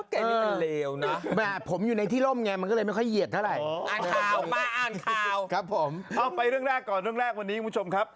เพราะแกนี่มันเลวนะ